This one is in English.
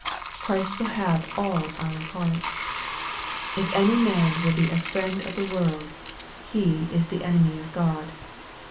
Christ will have all our hearts. " If any man will be a friend of the world, he is the enemy of God."